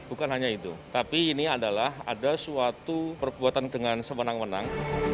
bukan hanya itu tapi ini adalah ada suatu perbuatan dengan semenang menang